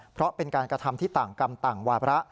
เพราะเป็นการกระทำที่ต่างกรรมต่างวาระ